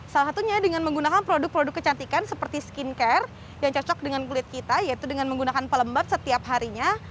salah satunya dengan menggunakan produk produk kecantikan seperti skincare yang cocok dengan kulit kita yaitu dengan menggunakan pelembab setiap harinya